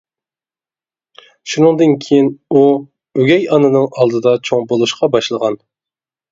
شۇنىڭدىن كېيىن ئۇ ئۆگەي ئانىنىڭ ئالدىدا چوڭ بولۇشقا باشلىغان.